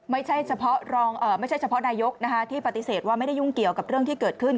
ไม่ใช่เฉพาะนายกที่ปฏิเสธว่าไม่ได้ยุ่งเกี่ยวกับเรื่องที่เกิดขึ้น